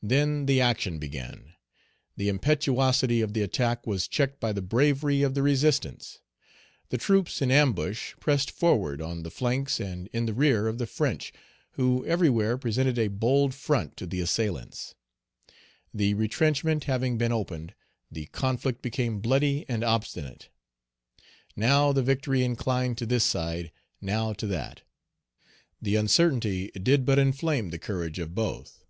Then the action began. The impetuosity of the attack was checked by the bravery of the resistance. The troops in ambush pressed forward on the flanks and in the rear of the French, who everywhere presented a bold front to the assailants. The retrenchment having been opened, the conflict became bloody and obstinate. Now the victory inclined to this side, now to that. The uncertainty did but inflame the courage of both.